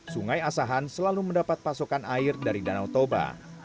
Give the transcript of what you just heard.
sungai asahan selalu mendapat pasokan air dari danau toba